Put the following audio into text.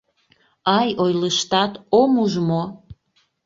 Ай, ойлыштат, ом уж мо?